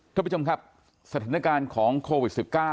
ท่านผู้ชมครับสถานการณ์ของโควิด๑๙